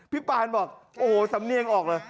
ปานบอกโอ้โหสำเนียงออกเลย